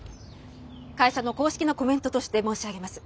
会社の公式なコメントとして申し上げます。